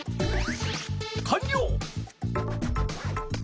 かんりょう！